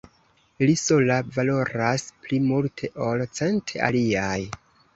Li sola valoras pli multe ol cent aliaj.